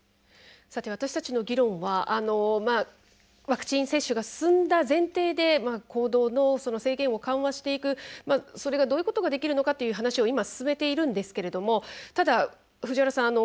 私たちの議論はワクチン接種が進んだ前提で行動の制限を緩和していくそれが、どういうことができるのかという話を今進めてきているんですけれどもただ、藤原さん。